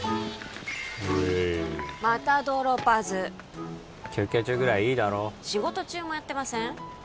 ウエーイまたドロパズ休憩中ぐらいいいだろ仕事中もやってません？